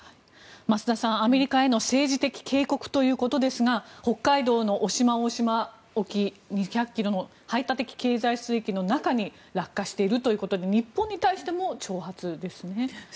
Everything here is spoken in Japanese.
増田さん、アメリカへの政治的警告ということですが北海道の渡島大島沖２００ｋｍの排他的経済水域の中に落下しているということで日本に対しても挑発ですね。